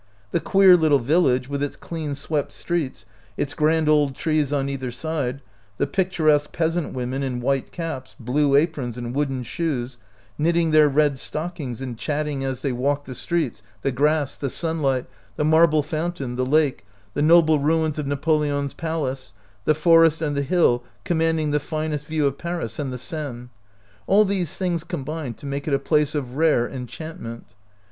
The queer little village, with its clean swept streets, its grand old trees on either side, the picturesque peasant women in white caps, blue aprons, and wooden shoes, knitting their red stockings and chatting as they walk the 84 OUT OF BOHEMIA streets, the grass, the sunlight, the marble fountain, the lake, the noble ruins of Napo leon's palace, the forest and the hill com manding the finest view of Paris and the Seine — all these things combine to make it a place of rare enchantment.